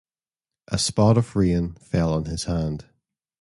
A spot of rain fell on his hand.